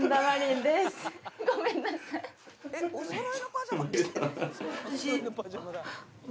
えっおそろいのパジャマ？